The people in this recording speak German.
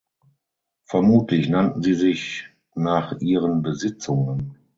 Vermutlich nannten sie sich nach ihren Besitzungen.